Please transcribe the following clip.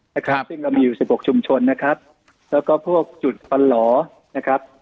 นะครับซึ่งเรามีอยู่สิบหกชุมชนนะครับแล้วก็พวกจุดฟันหล่อนะครับ